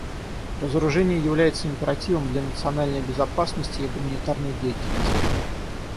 Разоружение является императивом для национальной безопасности и гуманитарной деятельности.